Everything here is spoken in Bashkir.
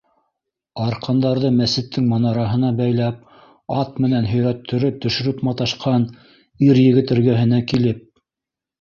Арҡандарҙы мәсеттең манараһына бәйләп, ат менән һөйрәттереп төшөрөп маташҡан ир-егет эргәһенә килеп: